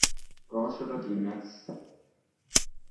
রহস্যটা কী, ম্যাক্স?